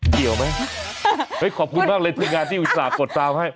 เกี่ยวไหมขอบคุณมากเลยทีมงานที่อุตส่าหกดตามให้